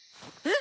え？